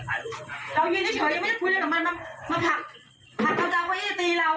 โดนเขาบอกว่า